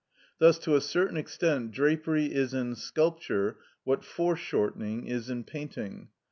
Thus to a certain extent drapery is in sculpture what fore shortening is in painting.